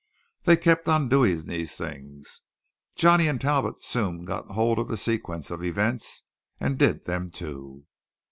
They kept on doing these things. Johnny and Talbot soon got hold of the sequence of events, and did them too.